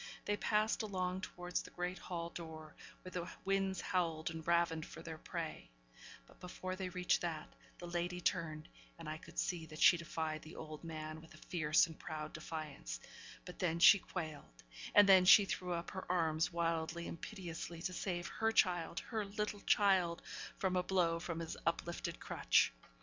They passed along towards the great hall door, where the winds howled and ravened for their prey; but before they reached that, the lady turned; and I could see that she defied the old man with a fierce and proud defiance; but then she quailed and then she threw up her arms wildly and piteously to save her child her little child from a blow from his uplifted crutch.